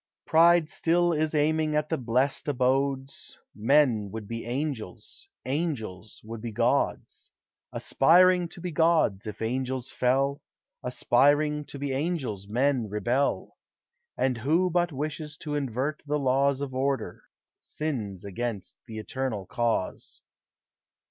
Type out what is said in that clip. Pride still is aiming at the blest abodes: Men would be angels, angels would be gods. Aspiring to be gods, if angels fell, Aspiring to be angels, men rebel; And who but wishes to invert the laws Of Order, sins against the Eternal Cause.